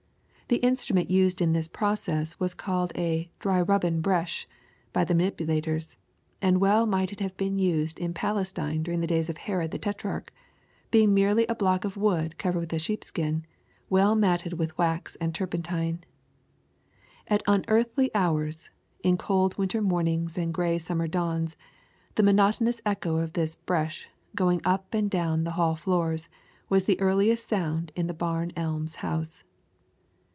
The instrument used in this process was called a "dry rubbin' bresh" by the manipulators, and might well have been used in Palestine during the days of Herod the tetrarch, being merely a block of wood covered with a sheepskin, well matted with wax and turpentine. At unearthly hours, in cold winter mornings and gray summer dawns, the monotonous echo of this "bresh" going up and down the hall floors was the earliest sound in the Barn Elms house.